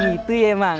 oh gitu ya mang